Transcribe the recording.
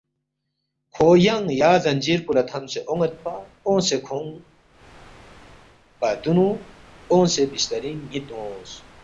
کھو ینگ یا زنجیر پو لہ تھمسے اون٘یدپا، اونگسے کھونگ پا دُونُو اونگسے بسترِنگ نِ٘ت اونگس